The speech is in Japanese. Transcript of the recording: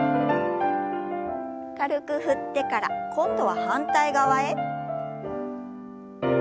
軽く振ってから今度は反対側へ。